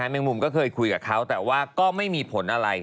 แมงมุมก็เคยคุยกับเขาแต่ว่าก็ไม่มีผลอะไร